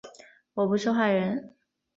我不是坏人